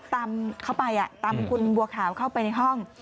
ตามเข้าไปตามคุณบัวขาวเข้าไปในห้อง